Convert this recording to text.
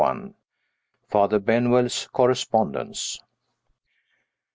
FATHER BENWELL'S CORRESPONDENCE.